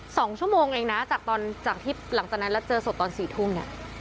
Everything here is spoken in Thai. สองชั่วโมงเองนะจากตอนจากที่หลังจากนั้นแล้วเจอศพตอนสี่ทุ่มเนี่ย